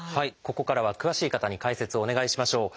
ここからは詳しい方に解説をお願いしましょう。